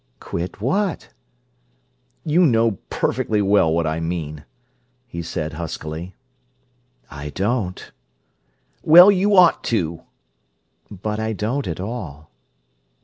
"Quit what?" "You know perfectly well what I mean," he said huskily. "I don't." "Well, you ought to!" "But I don't at all!"